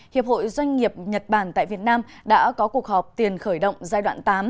hiệp hội doanh nghiệp nhật bản tại việt nam đã có cuộc họp tiền khởi động giai đoạn tám